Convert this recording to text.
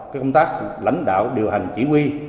công tác lãnh đạo điều hành chỉ huy